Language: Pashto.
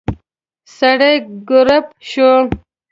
سړی کړپ شو.